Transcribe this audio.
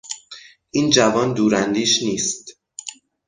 این جوان دوراندیش نیست.